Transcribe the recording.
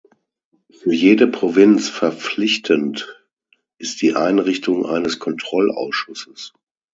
Für jede Provinz verpflichtend ist die Einrichtung eines Kontrollausschusses.